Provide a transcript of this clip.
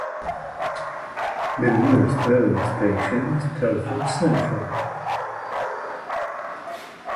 The nearest railway station is Telford Central.